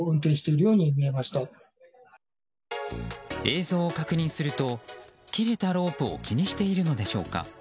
映像を確認すると切れたロープを気にしているのでしょうか。